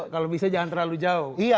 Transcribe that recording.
kalau bisa jangan terlalu jauh